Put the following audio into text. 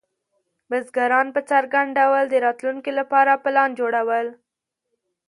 بزګران په څرګند ډول د راتلونکي لپاره پلان جوړول.